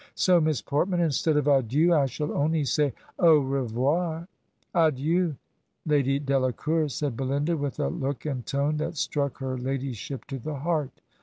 So, Miss Portman, instead of adieu, I shall only say au re voirl' ' Adieu, Lady Delacour !' said Belinda, with a look and tone that struck her ladyship to the heart.